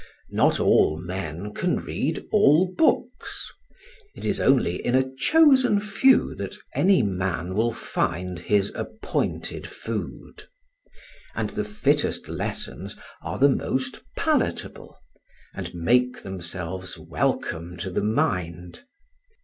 Not all men can read all books; it is only in a chosen few that any man will find his appointed food; and the fittest lessons are the most palatable, and make themselves welcome to the mind.